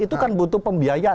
itu kan butuh pembiayaan